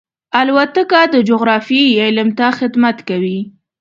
الوتکه د جغرافیې علم ته خدمت کوي.